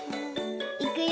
いくよ。